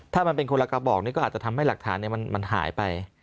ถ้ามันเป็นคนละกระบอกนี้ก็อาจจะทำให้หลักฐานมันหายไป